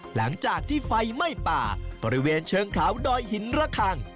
หลังจากที่ไฟไหม้ป่าบริเวณเชิงเขาดอยหินระคัง